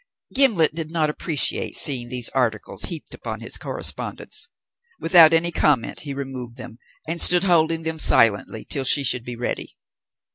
Gimblet did not appreciate seeing these articles heaped upon his correspondence. Without any comment he removed them, and stood holding them silently till she should be ready.